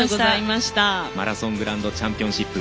マラソングランドチャンピオンシップ。